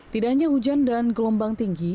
tidak hanya hujan dan gelombang tinggi